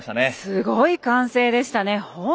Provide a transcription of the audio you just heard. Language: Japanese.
すごい歓声でしたね。